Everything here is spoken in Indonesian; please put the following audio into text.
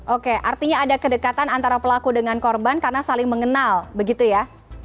oke artinya ada kedekatan antara pelaku dengan korban karena saling mengenal begitu ya